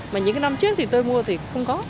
mà những cái năm trước thì tôi mua thì không có